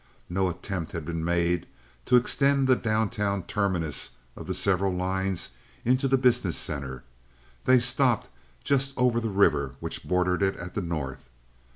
No attempt had been made to extend the down town terminus of the several lines into the business center—they stopped just over the river which bordered it at the north.